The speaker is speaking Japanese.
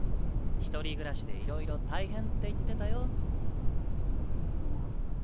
一人暮らしでいろいろ大変って言ってたよ。